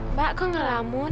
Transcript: mbak kok ngelamun